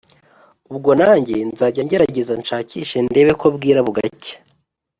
ubwo nanjye nzanjya ngerageza nshakishe ndebe ko bwira bugacya!